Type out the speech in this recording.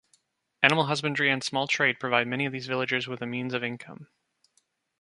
Animal husbandry and small-trade provide many of these villagers with a means of income.